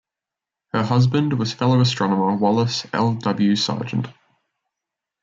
Her husband was fellow astronomer Wallace L. W. Sargent.